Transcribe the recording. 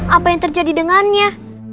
apa yang terjadi dengannya